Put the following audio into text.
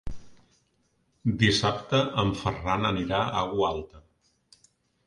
Dissabte en Ferran anirà a Gualta.